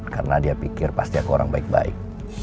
karena dia pikir pasti aku orang baik baik